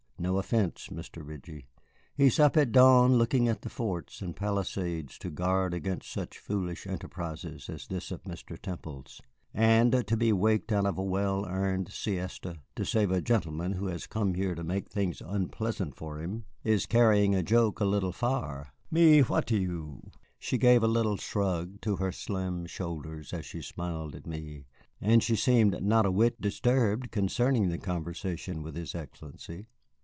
No offence, Mr. Ritchie. He is up at dawn looking to the forts and palisades to guard against such foolish enterprises as this of Mr. Temple's. And to be waked out of a well earned siesta to save a gentleman who has come here to make things unpleasant for him is carrying a joke a little far. Mais que voulez vous?" She gave a little shrug to her slim shoulders as she smiled at me, and she seemed not a whit disturbed concerning the conversation with his Excellency.